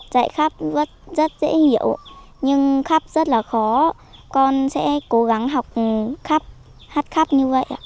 dạy khắp rất dễ hiểu nhưng khắp rất là khó con sẽ cố gắng học khắp hát khắp như vậy